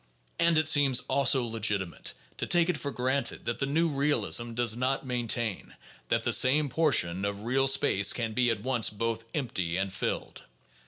And it seems also legitimate to take it for granted that the new realism does not maintain that the same portion of real space can be at once both empty and filled.